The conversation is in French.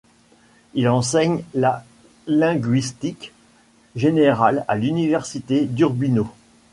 Il enseigne la linguistique générale à l'université d'Urbino.